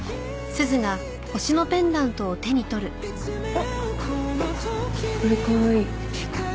あっこれかわいい。